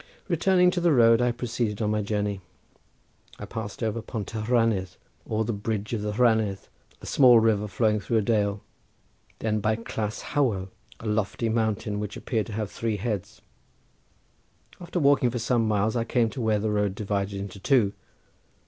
Returning to the road I proceeded on my journey. I passed over Pont y Rhanedd or the bridge of the Rhanedd, a small river flowing through a dale, then by Clas Hywel, a lofty mountain which appeared to have three heads. After walking for some miles I came to where the road divided into two.